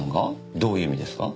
どういう意味ですか？